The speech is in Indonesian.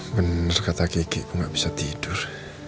bener kata kiki gue gak bisa tidur